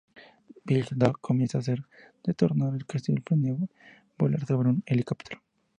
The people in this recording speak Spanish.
Will Dog comienza a hacer detonar el castillo y planea volar sobre un helicóptero.